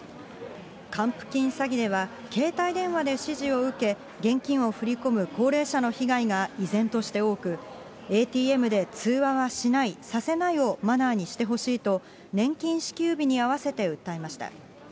還付金詐欺では携帯電話で指示を受け、現金を振り込む高齢者の被害が依然として多く、ＡＴＭで通話はしない、させないをマナーにしてほしいと、年金支給日に合わせて訴えました。